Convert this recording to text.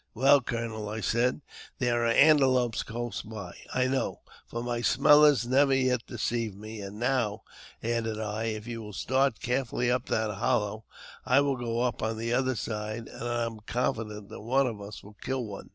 " Well, colonel," I said, " there are antelopes close by, I know, for my smellers never yet deceived me; and now," 406 AUTOBIOGRAPHY OF added I, "if you will start carefully up that hollow, I will go up on the other side, and I am confident that one of us will kill one."